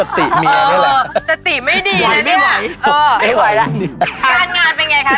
การงานเป็นไงคะจัดครับ